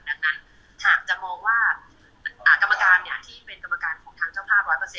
ดังนั้นหากจะมองว่ากรรมการที่เป็นกรรมการของทางเจ้าภาพ๑๐๐